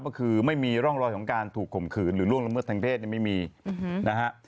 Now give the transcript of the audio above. ก็คือไม่มีร่องรอยของการถูกข่มขืนหรือล่วงละเมิดทางเพศไม่มีนะฮะ